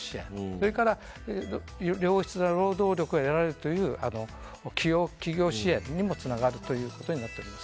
それから良質な労働力が得られるという企業支援にもつながるということになっております。